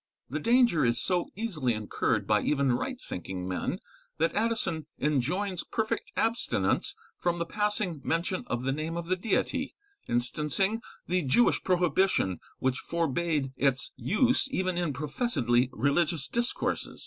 The danger is so easily incurred by even right thinking men, that Addison enjoins perfect abstinence from the passing mention of the name of the Deity, instancing the Jewish prohibition which forbad its use even in professedly religious discourses.